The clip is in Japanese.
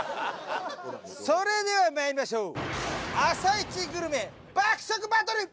それでは参りましょう。